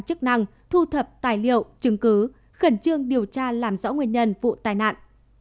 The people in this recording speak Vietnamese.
chức năng thu thập tài liệu chứng cứ khẩn trương điều tra làm rõ nguyên nhân vụ tai nạn